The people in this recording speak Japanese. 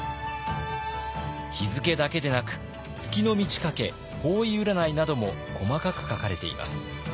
日付だけでなく月の満ち欠け方位占いなども細かく書かれています。